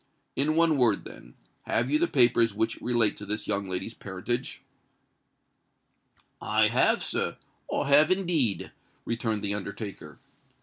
In one word, then—have you the papers which relate to this young lady's parentage?" "I have, sir—I have indeed," returned the undertaker.